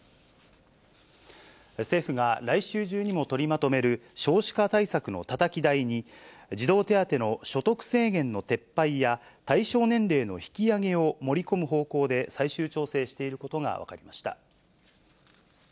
政府が来週中にも取りまとめる少子化対策のたたき台に、児童手当の所得制限の撤廃や、対象年齢の引き上げを盛り込む方向で最終調整していることが分かりました。